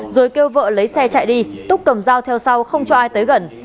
rồi kêu vợ lấy xe chạy đi túc cầm dao theo sau không cho ai tới gần